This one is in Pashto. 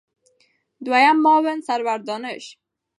دویم معاون سرور دانش